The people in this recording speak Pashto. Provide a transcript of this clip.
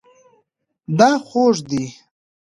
دا خوږ دی